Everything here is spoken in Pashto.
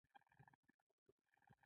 ته، ما پریږدې